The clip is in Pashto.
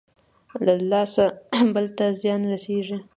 له لاسه بل ته زيان رسېږي.